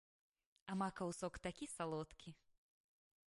А макаў сок такі салодкі!